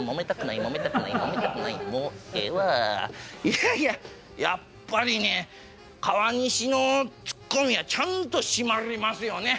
いやいややっぱりね川西のツッコミはちゃんと締まりますよね。